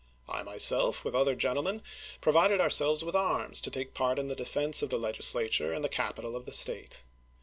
I myself, with other gentle men, provided om selves with arms to take part in the defense of the Legislature and the capital of the State.